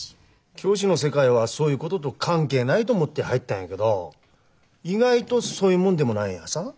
教師の世界はそういうことと関係ないと思って入ったんやけど意外とそういうもんでもないんやさ。